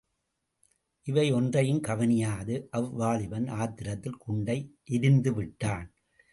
இவை ஒன்றையும் கவனியாது அவ்வாலிபன் ஆத்திரத்தில் குண்டை எரிந்துவிட்டான்.